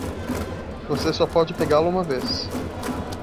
Você só pode pegá-lo uma vez